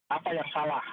apa yang salah